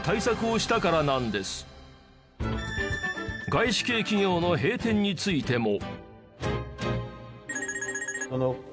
外資系企業の閉店についても。